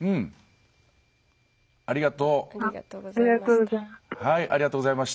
ありがとう。